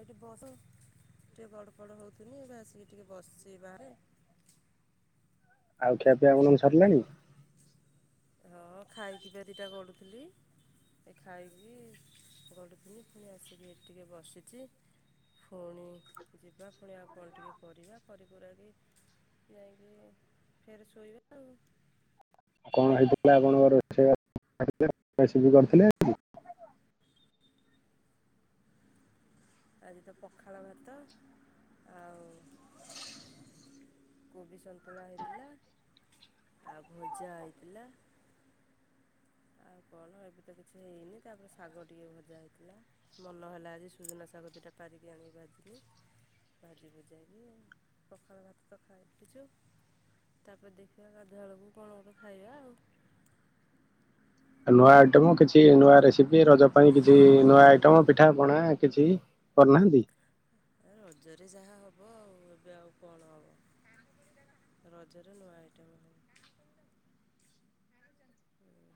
ଏଠି ବସ ଟିକେ ଗଡ ପଡ ହଉଥିଲି ଏବେ ଆସିକି ଟିକେ ବସଚି ଏଇ ବାହାରେ ଆଉ ଖିଆପିଆ ଆପଣଙ୍କର ସରିଲାଣି? ହଁ ଖାଇକି ବା ଦିଟା ଗଡୁଥିଲି ଏ ଖାଇକି ଗଡୁଥିଲି ପୁଣି ଆସିକି ଏ ଟିକେ ବସିଚି ଫୁଣି ଯିବା ପୁଣି ଆଉ କଣ ଟିକେ କରିବା କରି କୁରାକି ଯାଇଁକି ଫେରେ ଶୋଇବା ଆଉ କଣ ହେଇଥିଲା ଆପଣଙ୍କ ରୋଷଇ [unintelligible] କରିଥିଲେ? ଆଜି ତ ପଖାଳ ଭାତ ଆଉ କୋବି ସନ୍ତୁଳା ହେଇଥିଲା ଆଉ ଭଜା ହେଇଥିଲା ଆଉ କଣ ଏବେ ତ କିଛି ହେଇନି ତାପରେ ଶାଗ ଟିକେ ଭଜା ହେଇଥିଲା ମନ ହେଲା ଆଜି ସୁଜୁନା ଶାଗ ଦିଟା ପାରିକି ଆଣିକି ଭାଜିଲି ଭାଜି ଭୁଜାକି ପଖାଳ ଭାତ ତ ଖାଇଚୁ ତାପରେ ଦେଖିବା ଗାଧୁଆବେଳକୁ କଣ ଗୋଟେ ଖାଇବା ଆଉ। ନୂଆ ଆଇଟମ୍ କିଛି ନୂଆ ରେସିପି ରଜ ପାଇଁ କିଛି ନୂଆ ଆଇଟମ୍ ପିଠା ପଣା କିଛି କରିନାହାନ୍ତି? ଏ ରଜରେ ଯାହା ହବ ଆଉ ଏବେ ଆଉ କଣ ହବ? ରଜରେ ନୂଆ ଆଇଟମ୍ [unintelligible] ହୁଁ।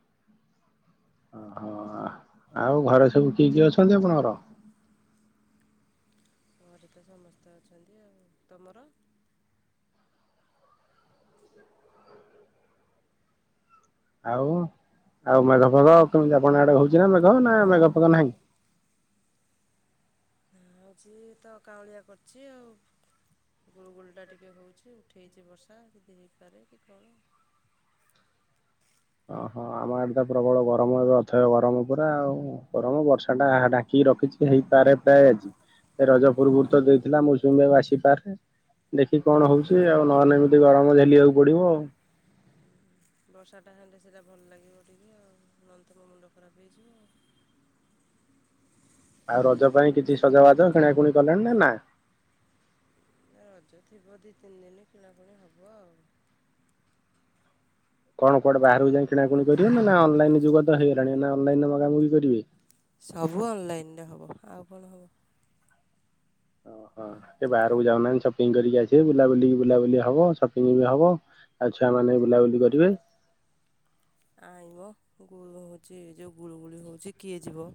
ଆଉ ଘରେ ସବୁ କିଏ-କିଏ ଅଛନ୍ତି ଆପଣଙ୍କର? ଘରେ ତ ସମସ୍ତେ ଅଛନ୍ତି ଆଉ ତମର? ଆଉ ଆଉ ମେଘ ଫେଗ କେମତି ଆପଣ ଆଡେ ହଉଚି ନା ମେଘ ନା ମେଘ ଫେଗ ନାହିଁ? ହଉଚି ତ କାଉଁଳିଆ କରିଚି ଆଉ। ଗୁଳୁ ଗୁଳିଟା ଟିକେ ହଉଚି ଉଠେଇଚି ବର୍ଷା ଯଦି ହେଇପାରେ କି କଣ? ଅ ହ ଆମ ଆଡେ ତ ପ୍ରବଳ ଗରମ ଏବେ ଅଥୟ ଗରମ ପୁରା ଆଉ। ଗରମ ବର୍ଷାଟା ଆହା ଡାକିକି ରଖିଚି ହେଇପାରେ ପ୍ରାଏ ଆଜି। ରଜ ପୂର୍ବରୁ ତ ଦେଇଥିଲା ମୌସୁମୀ ବାୟୁ ଆସିପାରେ। ଦେଖି କଣ ହଉଚି ଆଉ ନହେଲେ ଏମିତି ଗରମ ଝେଲିବାକୁ ପଡିବ ଆଉ। ବର୍ଷାଟା ହେଲେ ସେଇଟା ଭଲ ଲାଗିବ ଟିକେ ଆଉ ନହେଲେ ତ ମୋ ମୁଣ୍ଡ ଖରାପ ହେଇଯିବ ଆଉ। ଆଉ ରଜ ପାଇଁ କିଛି ସଜବାଜ କିଣାକୁଣି କଲେଣି ନା ନା? ରଜ ଥିବ ଦି ତିନି ଦିନି କିଣାକୁଣି ହବ ଆଉ। କଣ କୁଆଡେ ବାହାରକୁ ଯାଇ କିଣା କୁଣି କରିବେ ନା ଅନଲାଇନ ଯୁଗ ତ ହେଇଗଲାଣି ନା ଅନଲାଇନ ମଗାମଗି କରିବେ? ସବୁ ଅନଲାଇନରେ ହବ ଆଉ କଣ ହବ। ଅ ହୋ ଟିକେ ବାହାରକୁ କୁଆଡ଼େ ଯାଉନାହାନ୍ତି ସପ୍ ପିଙ୍ଗ କରିକି ଆସିବେ ବୁଲା ବୁଲିି ବୁଲାବୁଲି ହବ ସପିଙ୍ଗ ବି ହବ ଆଉ ଛୁଆମାନେ ବି ବୁଲାବୁଲି କରିବେ। ନାଇଁ ମ ଗୁଳୁ ହଉଚି ଯୋଉ ଗୁଳୁଗୁଳି ହଉଚି କିଏ ଯିବ?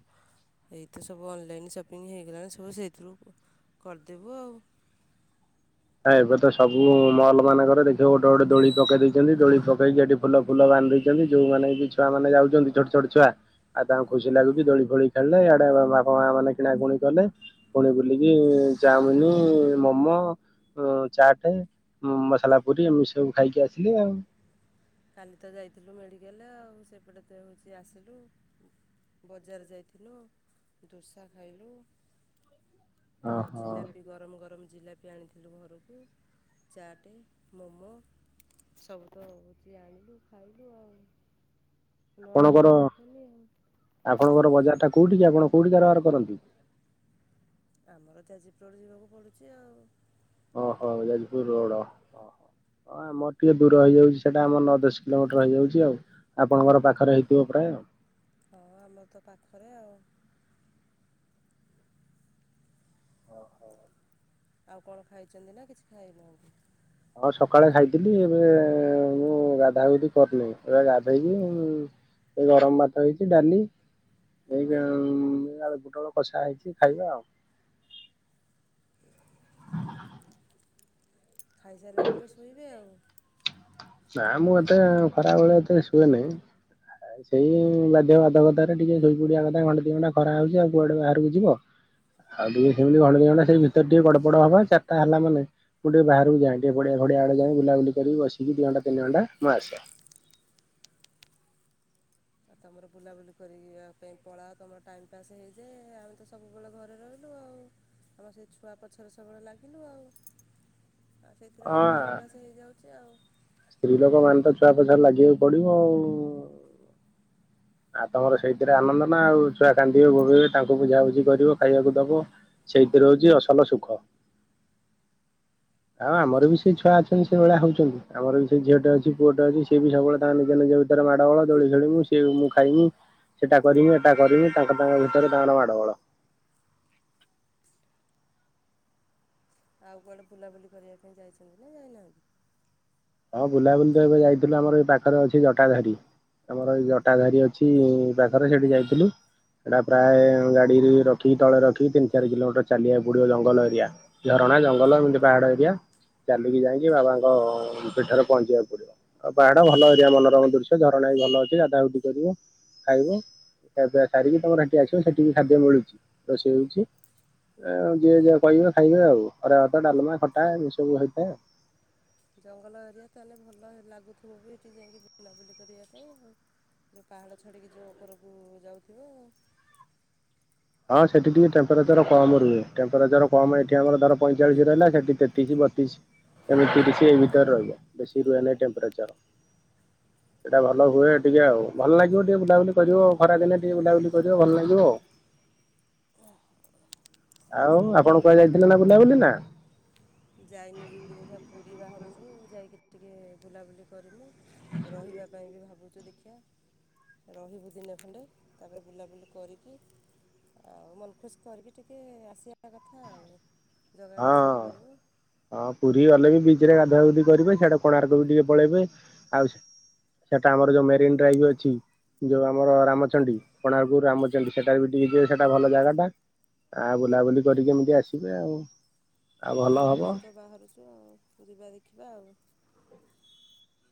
ଏଇ ତ ସବୁ ଅନଲାଇନ୍ ସପିଙ୍ଗ ହେଇଗଲାଣି ସବୁ ସେଇଥିରୁ କରିଦେବୁ ଆଉ। ନା ଏବେ ତ ସବୁ ମଲ୍ ମାନଙ୍କରେ ଦେଖିବ ଗୋଟେ ଗୋଟେ ଦୋଳି ପକେଇ ଦେଇଚନ୍ତି ଦୋଳି ପକେଇକି ଏଠି ଫୁଲ ଫୁଲ ବାନ୍ଧି ଦେଇଚନ୍ତି ଯୋଉମାନେ ବି ଛୁଆ ମାନେ ଯାଉଚନ୍ତି ଛୋଟ ଛୋଟ ଛୁଆ ଆଉ ତାଙ୍କୁ ଖୁସି ଲାଗୁଚି ଦୋଳି ଫୋଳି ଖେଳିଲେ ଆଡେ ବା-ବାପ ମା ମାନେ କିଣା କୁଣି କଲେ ପୁଣି ବୁଲିକି ଚାଉମିନ, ମୋମୋ ଉଁ ଚାଟ ମସଲା ପୁରୀ ଇମିତି ସବୁ ଖାଇକି ଆସିଲି ଆଉ। କାଲି ତ ଯାଇଥିଲୁ ମେଡିକାଲ ଆଉ ସେପଟେ ତ ହେଉଚି ଆସିଲୁ। ବଜାର ଯାଇଥିଲୁ ଦୋସା ଖାଇଲୁ। ଆଉ ଓହୋ। ଜିଲାପି ଗରମ ଗରମ ଜିଲାପି ଆଣିଥିଲୁ ଘରୁକୁ। ଚାଟ୍ ମୋମୋ ସବୁ ତ ଚି ଆଣିଲୁ ଖାଇଲୁ ଆଉ ନ ଆଣିଲେ ଆପଣଙ୍କର ତ ହବନି ଆଉ। ଆପଣଙ୍କର ବଜାର ଟା କୋଉଠି କି ଆପଣ କୋଉଠି କାରବାର କରନ୍ତି? ଆମର ଯାଜପୁର ଯିବାକୁ ପଡୁଛି ଆଉ। ଓ ହୋ ଯାଜପୁର ରୋଡ ହ ହଁ ଆମର ଟିକେ ଦୂର ହେଇଯାଉଚି ସେଇଟା ଆମର ନଅ ଦଶ କିଲୋମିଟର ହେଇଯାଉଚି ଆଉ। ଆପଣଙ୍କର ପାଖରେ ହେଇଥିବ ପ୍ରାୟ ଆଉ। ହଁ ଆମର ତ ପାଖରେ ଆଉ। ଓ ହୋ। ଆଉ କଣ ଖାଇଛନ୍ତି ନା କିଛି ଖାଇନାହାନ୍ତି? ହଁ ସକାଳେ ଖାଇଥିଲି ଏବେ ମୁଁ ଗାଧା ଗୁଧି କରିନି ଏବେ ଗାଧେଇକି ଉଁ ଏ ଗରମ ଭାତ ହେଇଚି ଡାଲି ଏଇନା ଉଁ ଏଇ ଆଳୁ ପୋଟଳ କଷା ହେଇଚି ଖାଇବା ଆଉ। ଖାଇସାଇଲା ପରେ ଶୋଇବେ ଆଉ। ନା ମୁଁ ଏତେ ଖରାବେଳେ ଏତେ ଶୁଏ ନେଇଁ। ଆଉ ସେଇ ବାଧ୍ୟ ବାଧକତାରେ ଟିକେ ଶୋଇପଡିବା କଥା ଘଣ୍ଟେ ଦି ଘଣ୍ଟା ଖରା ହଉଚି ଆଉ କୁଆଡେ ବାହାରକୁ ଯିବ। ଆଉ ଟିକେ ସେମତି ଘଣ୍ଟେ ଦିଘଣ୍ଟା ସେଇ ଭିତେରେ ଟିକେ ଗଡ ପଡ ହବା ଚାରଟା ହେଲା ମାନେ ମୁଁ ଟିକେ ବାହାରକୁ ଯାଇଁ। ଏ ପଡିଆ ଫଡ଼ିଆ ଆଡେ ଯାଇଁ ବୁଲାବୁଲି କରିବି ବସିବି ଦି ଘଣ୍ଟା ତିନି ଘଣ୍ଟା ମୁଁ ଆସେ। ଆଉ ତୁମର ବୁଲାବୁଲି କରକି ଆ ପାଇଁ ପଳାଅ ତମର ଟାଇମ୍ ପାସ୍ ହେଇଯାଏ ଆମେ ତ ସବୁବେଳେ ଘରେ ରହିଲୁ ଆଉ। ଆମର ସେ ଛୁଆ ପଛରେ ସବୁବେଳେ ଲାଗିଲୁ ଆଉ ଆ ସେଇଥିରେ ହଁ ଆମର ଟାଇମ୍ ପାସ୍ ହେଇଯାଉଚି ଆଉ। ସ୍ତ୍ରୀ ଲୋକ ମାନେ ତ ଛୁଆ ପଛରେ ଲାଗିବାକୁ ପଡିବ ଆଉ। ଆଉ ତମର ସେଇଥେରେ ଆନନ୍ଦ ନା ଆଉ ଛୁଆ କାନ୍ଦିବେ ବୋବେଇବେ ତାଙ୍କୁ ବୁଝାବୁଝି କରିବ ଖାଇଆକୁ ଦବ। ସେଇଥିରେ ହଉଚି ଅସଲ ସୁଖ। ଆଉ ଆମର ବି ସେ ଛୁଆ ଅଛନ୍ତି ସେ ଭଳିଆ ହଉଚନ୍ତି ଆମର ବି ସେ ଝିଅଟେ ଅଛି ପୁଅଟେ ଅଛି ସେଏ ବି ସବୁବେଳେ ତାଙ୍କ ନିଜ ନିଜ ଭି ର ମାଡ଼ଗୋଳ ଦୋଳି ଖେଳି ମୁଁ ସେ ମୁଁ ଖାଇ ମୁଁ। ସେଟା କରିମି ଏଟା କରିମି ତାଙ୍କ ତାଙ୍କ ଭିତରେ ତାଙ୍କର ମାଡଗୋଳ। ଆଉ କୁଆଡେ ବୁଲାବୁଲି କରିବା ପାଇଁ ଯାଇଚନ୍ତି ନାଁ ଯାଇନାହାନ୍ତି? ହଁ ବୁଲାବୁଲି ତ ଏବେ ଯାଇଥିଲୁ ଆମର ଏଇ ପାଖରେ ଅଛି ଜଟାଧରି। ଆମର ଏଇ ଜଟା ଧରି ଅଛି ପାଖରେ ସେଠି ଯାଇଥିଲୁ। ସେଇଟା ପ୍ରାଏ ଗାଡ଼ିରେ ରଖିକି ତଳେ ରଖିକି ତିନି ଚାରି କିଲୋମିଟର ଚାଲିବାକୁ ପଡ଼ିବ ଜଙ୍ଗଲ ଏରିଆ। ଝରଣା ଜଙ୍ଗଲ ଏମିତି ପାହାଡ ଏରିଆ ଚାଲିକି ଯାଇକି ବାବାଙ୍କ ସେଠାରେ ପହଞ୍ଚିବାକୁ ପଡିବ ଆଉ ପାହାଡ ଭଲ ଏରିଆ ମନୋରମ ଦୃଶ୍ୟ ଝରଣା ବି ଭଲ ଅଛି ଗାଧାଗୁଧି କରିବ। ଖାଇବ ଖିଆପିଆ ସାରିକି ତମେ ରାତି ଆସିବ ସେଠିକି ଖାଦ୍ୟ ମିଳୁଛି ରୋଷେଇ ହେଉଚି। ଉ ଯିଏ ଯା କହିବେ ଖାଇବେ ଆଉ ଅରୁଆ ଭାତ ଡାଲମା ଖଟା ଏ ସବୁ ହେଇଥାଏ। ଜଙ୍ଗଲ ଏରିଆ ତମେ ଭଲ ଲାଗୁଥିବ ବି ଏଠି ଯାଇକି ବୁଲାବୁଲି କରିବା ପାଇଁ ଆଉ। ଯେଉଁ ପାହାଡ଼ ଛାଡ଼ିକି ଯେଉଁ ଉପରକୁ ଯାଉଥିବ ହଁ ସେଠି ଟିକେ ଟେମ୍ପରେଚର କମ୍ ରୁହେ ଟେମ୍ପରେଚର କମ୍ ଏଠି ଆମର ଧର ପଇଁଚାଳିଶ ରହିଲା ସେଠି ତେତିଶ ବତିଶ୍। ଏମତିରିଶ୍ ଏ ଭିତରେ ରହିବ ବେଶୀ ରୁହେନେହି ଟେମ୍ପରେଚର୍। ସେଇଟା ଭଲ ହୁଏ ଟିକେ ଆଉ ଭଲ ଲାଗିବ ଟିକେ ବୁଲାବୁଲି କରିବ ଖରାଦିନେ ଟିକେ ବୁଲାବୁଲି କରିବ ଭଲ ଲାଗିବ ଆଉ। ଆଉ ଏ- ଆପଣ କୁହାଯାଇଥିଲେ ନାଁ ବୁଲା ବୁଲି ନାଁ? ଯାଇନି ଯିବ ଦେଖିବା ପୁରୀ ବାହାରୁଛୁ ଯାଇକି ଟିକେ ବୁଲାବୁଲି କରି ମୁଁ। ରହିବା ପାଇଁ ବି ଭାବୁଚୁ ଦେଖିଆ। ରହିବୁ ଦିନେ ଖଣ୍ଡେ ତାପରେ ବୁଲାବୁଲି କରିକି ଆଉ ମନ ଖୁସ୍ କରିକି ଟିକେ ଆସିବା କଥା ଆଉ। ଜଗା ଆଁ ଦର୍ଶନ କରିବୁ ଓ ହଁ ପୁରୀ ଗଲେ ବି ବିଚ୍ ରେ ଗାଧା ଗୁଧି କରିବେ ସେଆଡେ କୋଣାର୍କ ବି ଟିକେ ପଳେଇବେ ଆଉସ୍ ସେଟା ଆମର ଯୋଉ ମେରିନ୍ ଡ୍ରାଇଭ୍ ଅଛି। ଯୋଉ ଆମର ରାମଚଣ୍ଡୀ କୋଣାର୍ପୁର ରାମଚଣ୍ଡୀ ସେଟାରେ ବି ଟିକେ ଯିବେ ସେଟା ଭଲ ଜାଗା ଟା। ଆ ବୁଲାବୁଲି କରିକି ଏମିତି ଆସିବେ ଆଉ। ଆଉ ହଁ ଭଲ ଯିବା ହବ। ପାଇଁ ତ ବାହାରୁଛୁ ଆଉ ଯିବା ଦେଖିବା ଆଉ।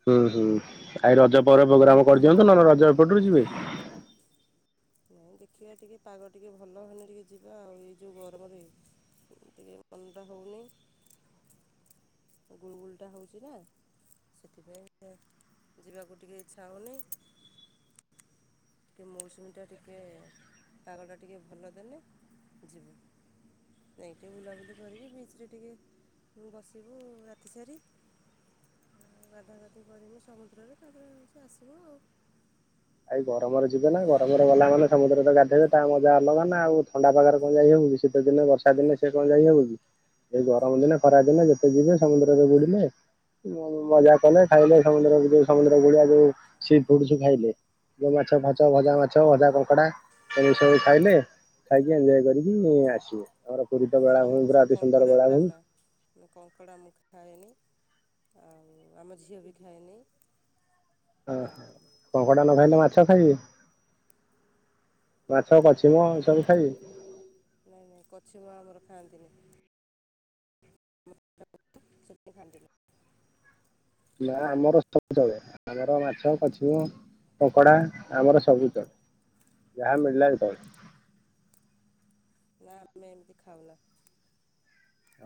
ହୁଁ ହୁଁ ଆ ଏ ରଜ ପରେ ପ୍ରୋଗ୍ରାମ କରିଦିଅନ୍ତୁ ନହେଲେ ରଜ ଏପଟରୁ ଯିବେ? ନାଇଁ ଦେଖିବା ଟିକେ ପାଗ ଟିକେ ଭଲ ହେଲେ ଟିକେ ଯିବା ଆଉ ଏଇ ଯୋଉ ଗରମରେ ଟିକେ ମୁଣ୍ଡା ହୋଉନି। ଗୁଳଗୁଳିଟା ହେଉଚି ନାଁ ସେଥିପାଇଁ ଯିବାକୁ ଟିକେ ଇଚ୍ଛା ହେଉନି। ଟିକେ ମୌସୁମୀଟା ଟିକେ ପାଗଟା ଟିକେ ଭଲ ଦେଲେ ଯିବୁ। ଯାଇ ଟିକେ ବୁଲାବୁଲି କରିକି ବିଚ୍ ରେ ଟିକେ ବସିବୁ ରାତିସାରି। ଆ ଗାଧା ଗାଧି କରିବୁ ସମୁଦ୍ରରେ ତାପରେ ହେଉଛି ଆସିବୁ ଆଉ। ଆଇ ଗରମରେ ଯିବେ ନାଁ ଗରମରେ ଗଲା ମାନେ ସମୁଦ୍ର ତ ଗାଧେଇବେ ତା ମଜା ଅଲଗା ନାଁ ଆଉ ଥଣ୍ଡା ପାଗରେ କଣ ଯାଇ ହବ କି ଶୀତ ଦିନେ ବର୍ଷା ଦିନେ ସେ କଣ ଯାଇହବ କି। ଏଇ ଗରମ ଦିନେ ଖରା ଦିନେ ଯେତେ ଯିବେ ସମୁଦ୍ରରେ ବୁଡିଲେ ମଜା କଲେ ଖାଇଲେ ସମୁଦ୍ରକୁ ଯୋଉ ସମୁଦ୍ର କୁଳିଆ ଯୋଉ ସି ଫୁଡୁସ୍ ଖାଇଲେ। ଯୋଉ ମାଛ ଫାଛ ଭଜା ମାଛ ଭଜା କଙ୍କଡା ଏ ସବୁ ଖାଇଲେ। ଖାଇକି ଏଞ୍ଜୟ କରିକି ଆସୀବେ, ଆମର ପୁରୀତ ବେଳା ଭୂମି ପୁରା ଅତି ସୁନ୍ଦର ବେଳା ଭୁମି। ମୁଁ କଙ୍କଡ଼ା ମୁଖ ଖାଏନି। ଆଉ ଆମ ଝିଅ ବି ଖାଏନି। ଆଁ ହାଁ। ଆଉ କଙ୍କଡ଼ା ନ ଖାଇଲେ ମାଛ ଖାଇବେ ମାଛ କଛିିମ ଏ ସବୁ ଖାଇବେ। ନାଇଁ ନାଇଁ କଚ୍ଛିମ ଆମର ଖାଆନ୍ତିନି। [unintelligible] ନା ଆମର ସବୁ ଚଳେ ଆମର ମାଛ କଛିମ। କଙ୍କଡା ଆମର ସବୁ ଚଳେ ଯାହା ମିଳିଲା ଯେତେବେଳେ। ନା ଆମେ ଏମିତି ଖାଉନା।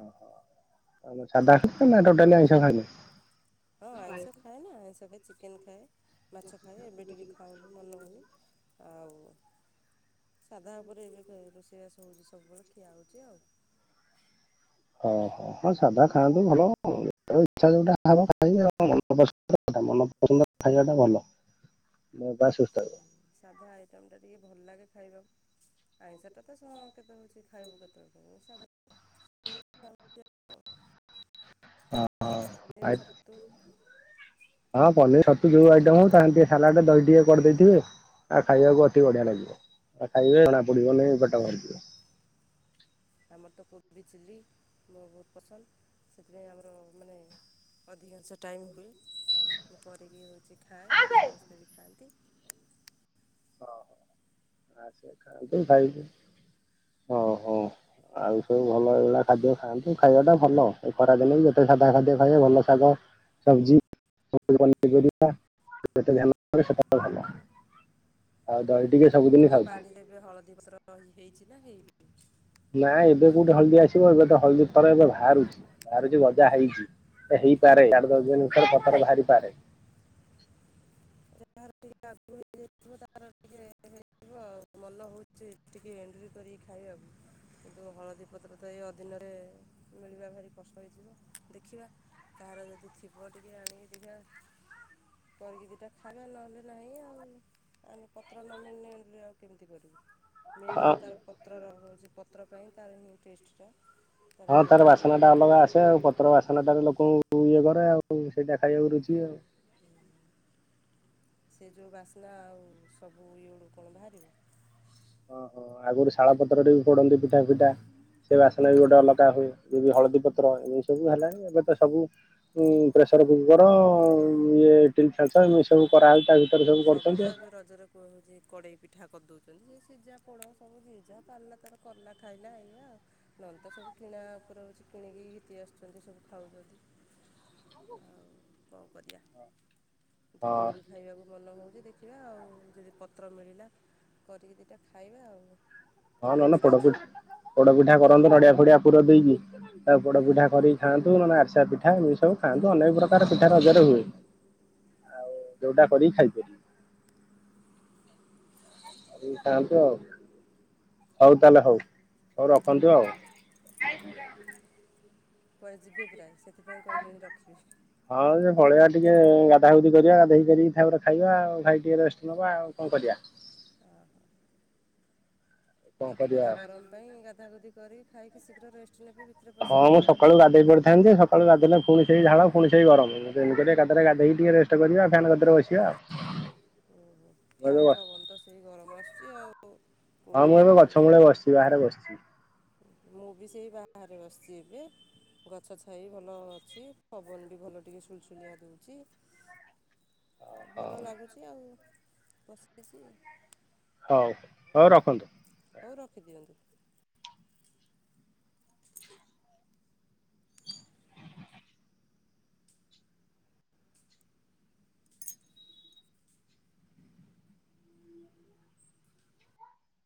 ଓହୋ ସାଧା ଖ ନା ଟୋଟାଲି ଆଇଁଷ ଖାଇନ ହଁ ଆଇଁଷ ଖାଏନା ଆଇଁଷ ଖାଏ, ଚିକେନ ଖାଏ ମାଛ ଖାଏ ଏବେ ଟିକେ ଖାଉ ମନ ହଉନି ଆଉ। ସାଧା ଉପରେ ଏବେ ରୋଷେଇବାସ ହେଉଛି ସବୁବେଳେ ଖିଆ ହେଉଛି ଆଉ। ଓହ ହଁ ସାଧା ଖାଆନ୍ତୁ ଭଲ ଇଛା ଯଉଟା [unintelligible] ଖାଇବା ଟା ଭଲ। ବାସ ସୁସ୍ଥ ରହିବ। ସାଧା ଆଇଟମ ଟା ଟିକେ ଭଲ ଲାଗେ ଖାଇବାକୁ। ଆଇଁଷ ଟା ସ ତ କେତେ ହଉଛି ଖାଇବୁ କେତେ ହଉଛି ସାଧା। ହଁ। ପନିର ଛତୁ। ହଁ ପନିର ଛତୁ ଯୋଉ ଆଇଟମ ହଉ ତା ସାଙ୍ଗରେ ଟିକେ ସାଲାଡ ଦହି ଟିକେ କରିଦେଇଥିବେ। ଆ ଖାଇବାକୁ ଅତି ବଢିଆ ଲାଗିବ, ଖାଇବେ ଜଣା ପଡିବ ନାହି। ହଁ। ଆମର ତ କୋବି ଚିଲ୍ଲି ମୋର ବହୁତ ପସନ୍ଦ, ସେଥିପାଇଁ ଆମର ମାନେ ଅଧିକାଂଶ ଟାଇମ୍ ହୁଏ, ମୁଁ କରିକି ହେଉଛି ଖାଏ ସମସ୍ତେ ବି ଖାଆନ୍ତି। ହଁ ଏଇଆ ଆଉ [unintelligible] ଆଉ ସବୁ ଭଲ ଏଇ ଭଳିଆ ଖାଦ୍ୟ ଖାଆନ୍ତୁ। ଖାଇବା ଟା ଭଲ ଏ ଖରାଦିନ ବି ଯେତେ ସାଧା ଖାଦ୍ୟ ଖାଇବ ଭଲ ଶାଗ ସବଜିି ସବୁ ପନିପରିବା [unintelligible] ଆଉ ଦହି ଟିକେ ସବୁଦିନ ତମ ଖାଉଚି। ବାଡ଼ିରେ ଏବେ ହଳଦୀ ପତର ହେଇଛି ନା ହେଇନି। ନା ଏବେ କୋଉଠି ହଳଦୀ ଆସିବ ଏବେ ତ ହଳଦୀ ଥରେ ଏବେ ବାହାରୁଛି ବାହାରୁଛି ଗଜା ହେଇଛି। ହେଇପାରେ ଆଡ ଦଶ ଦିନ ଭିତରେ ପଥର ବାହାରିପାରେ ଯାହାର ଟିକେ ଆଗ ତାର ଟିକେ ହେଇଯିବ ତର ଟିକେ ହେଇଥିବ ଆଉ ଭଲ ହେଉଛି ଟିକେ ଏଣ୍ଡୁରି କରିିକ ଖାଇବାକୁ କିନ୍ତୁ ହଳଦୀପତ୍ର ତ ଏ ଅଦୀନରେ ମିଳିବା ଭାରି କଷ୍ଟ ହେଇଥିବ ଦେଖିବା କାହାର ଯଦି ଥିବ ଟିକେ ଆଣିକି ଟ କରିକି ଦିଟା ଖାଇବା ନହେଲେ ନାହିଁ ଆଉ ଆମେ ପତ୍ର ନାମିନେ ଆଣିଲୁ ଆଉ କେମିତି କରିବୁ ମେନ୍ ହଁ। ତ ତାର ପତ୍ରର ହେଉଛି ପତ୍ର ପାଇଁ ତାର ହିଁ ଟେଷ୍ଟଟା ହଁ ତାର ବାସନା ଟା ଅଲଗା ଆସେ ଆଉ ପତ୍ର ବାସନ ଟାରେ ଲୋକଙ୍କୁ ଇଏ କରେ ଆଉ ସେଇଟା ଖାଇବାକୁ ରୁଛି ଆଉ ସେ ଯେଉଁ ବାସ୍ନା ଆଉ ସବୁ ଇଏଳୁ କଣ ବାହାରିବ ଓଁହଁ ଆଗରୁ ଶାଳ ପତ୍ରରେ ବି ପଡନ୍ତି ପିଠା ପିଠା ସେ ବାସନା ବି ଗୋଟେ ଅଲଗା ହୁଏ। ଏ ହଳଦୀ ପତ୍ର ଏମ ସବୁ ହେଲାଣି ଏବେ ତ ସବୁ ଉ ପ୍ରେସର କୁକର ଇଏ ଟୁଲ ଚାଚ ଏମ ସବୁ କରାହେଉ ତାକୁ ସବୁ ତ ଏବେ ରଜରେ କ ହେଉଛି କଡ଼େଇ ପିଠା କରିଦେଉଛନ୍ତି ଯେ ସିଝା ପୋଡ଼ ସବୁ ସିଝା ପାରିଲା ତାର କରଲା ଖାଇଲା ଏଇ୍ା ଆଉ ନ ତ ସବୁ କିଣା ଉପରେ ହେଉଛି କିଣିକି ଘିତି ଆସୁଛନ୍ତି ସବୁ ଖାଉଛନ୍ତି ଆଉ କଣ କରିବା ତ ଏଣ୍ଟ୍ରଭି ହଁ ଖାଇବାକୁ ମନ ହେଉଛି ଦେଖିବା ଆଉ ଯଦି ପତ୍ର ମିଳିଲା କରିକି ଦୁଇଟା ଖାଇବା ଆଉ ହ କାରଣ ନ ନା ଇଚ୍ଛା ଅଛି ପୋଡପଠା ପୋଡପିଠା କରନ୍ତୁ ନଡିଆ ଫଡିଆ ପୁର ଦେଇକି ଆଉ ପୋଡପିଠା କରିକି ଖାଆନ୍ତୁ ନାନେ ଆରସା ପିଠା ଏମ ସବୁ ଖାନ୍ତୁ ଅନେକ ପ୍ରକାର ପିଠା ରଜରେ ହୁଏ। ଆଉ ଯୋଉଟା କରିକି ଖାଇପାରନି କରିକି ଖାଆନ୍ତୁ ଆଉ ହଉ ତାହେଲେ ହଉ ହଉ ରଖନ୍ତୁ ଆଉ ଆ [unintelligible] କୁଆ ଯିବେ ପ୍ରାୟ ସେଥିପାଇଁ କହିଲେଣି ରଖିବି ହଁ ସେ ପଳେଇଆ ଟିକେ ଗାଧା ଗୁଧି କରିବା ଗାଧା ହେଇକି ତାପରେ ଖାଇବା ଆଉ ଖାଇକି ରେଷ୍ଟ ନବା ଆଉ କଣ କରିବା ଓହୋ କଣ ଏ କରିବା ଖରା ଗରମ ପାଇଁ ଗାଧା ଗୁଧି କରି ଖାଇକି ଶୀଘ୍ର ରେଷ୍ଟ ନେବେ ଭିତରେ ହଁ ପଶିବେ ମୁଁ ଆଉ ସକାଳୁ ଗାଧେଇ ପଡିଥାନ୍ତି ଯେ ସକାଳୁ ଗାଧିଇଲେ ପୁଣି ସେଇ ଝାଳ ପୁଣି ସେଇ ଗରମ ଏମତିରେ ଏକାଥରେ ଗାଧେଇକି ଟିକେ ରେଷ୍ଟ କରିବା ଫ୍ୟାନ୍ ଗାତରେ ବସିବା ଆଉ ଓହୋ ମୁଁ ଫ୍ୟନ୍ ଏବେ ପବନ ତ ସେଇ ଗରମ ଆସୁଛି ଆଉ କେଉଁଠି ହଁ ମୁଁ ଥଣ୍ଡା ଏବେ ଗଛ ହେଉଛି ମୂଳେ ବସିଛି ବାହାରେ ବସିଛି ମୁଁ ବି ସେଇ ବାହାରେ ବସିଛି ଏବେ ଗଛ ଛାଇ ଭଲ ଅଛି ପବନ ବି ଭଲ ଟିକେ ସୁଲସୁଲିଆ ଦଉଛି ଆ ହଉ ଭଲ ଲାଗୁଛି ଆଉ ବସିଛି ହଉ ହଉ ରଖନ୍ତୁ। ହଉ ରଖିଦିଅନ୍ତୁ କେ [unintelligible] ସ [inaudible]